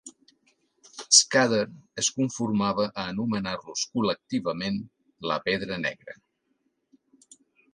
Scudder es conformava a anomenar-los col·lectivament la "Pedra Negra".